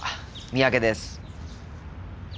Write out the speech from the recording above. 三宅です。